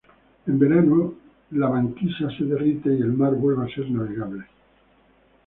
En verano, la banquisa se derrite y el mar vuelve a ser navegable.